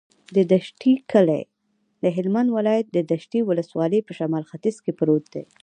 د دشټي کلی د هلمند ولایت، دشټي ولسوالي په شمال ختیځ کې پروت دی.